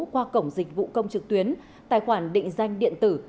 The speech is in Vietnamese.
qua cổng dịch vụ công trực tuyến tài khoản định danh điện tử